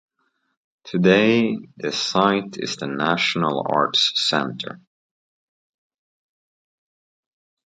Today the site is the National Arts Centre.